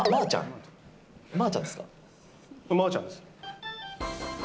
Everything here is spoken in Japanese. まぁちゃんです。え？